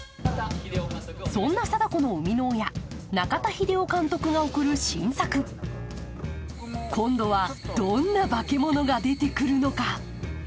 そんな貞子の生みの親、中田秀夫監督が送る新作、今度は、どんな化け物が出てくるのか。